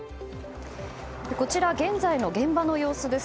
現在の現場の様子です。